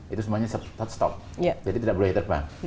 itu semuanya tetap stop jadi tidak boleh terbang